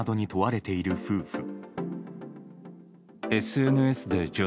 殺害した罪などに問われている夫婦。